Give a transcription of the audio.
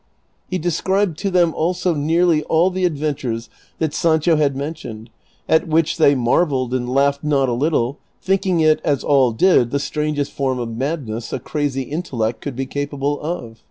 He described to them also nearly all the adventures that Sancho had mentioned, at which they marvelled and laughed not a little, thinking it, as all did, the strangest form of madness a crazy intellect could be capable of.